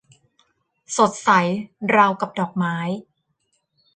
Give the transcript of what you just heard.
สดใสราวกับดอกไม้